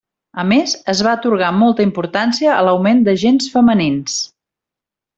A més, es va atorgar molta importància a l'augment d'agents femenins.